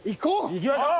行きましょう！